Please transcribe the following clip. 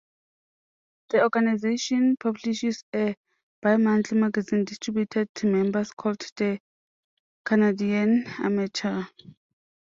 The organization publishes a bimonthly magazine distributed to members called "The Canadian Amateur".